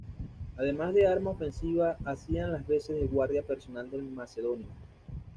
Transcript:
Además de arma ofensiva, hacían las veces de guardia personal del macedonio.